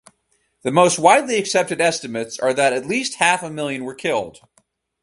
The most widely accepted estimates are that at least half a million were killed.